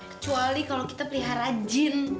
kecuali kalau kita pelihara jin